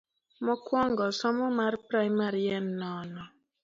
Mokuongo somo mar primari en nono.